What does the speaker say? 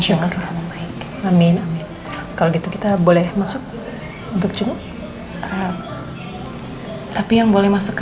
ya enggak selalu baik amin amin kalau gitu kita boleh masuk untuk jumlah tapi yang boleh masuk ke